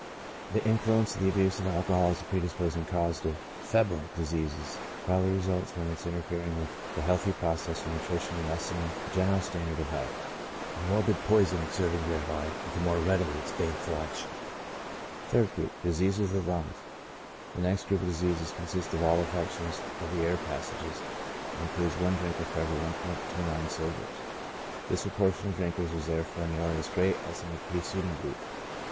This influence of the abuse of alcohol as a pre disposing cause to febrile diseases probably results from its interfering with the healthy process of nutrition and lessen ing the general standard of health j a morbid poison exert ing thereby the more readily its baneful action. Third Group : Diseases of the Lungs. — The next group of diseases consists of all affections of the air passages, and includes i drinker for every 1*29 sobers; this proportion of drinkers is therefore nearly as great as in the preceding AS PREDISPOSING TO DISEASE. I59 group.